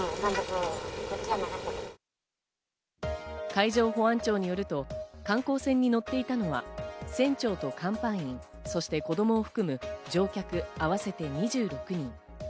海上保安庁によると観光船に乗っていたのは船長と甲板員、そして子供を含む乗客、合わせて２６人。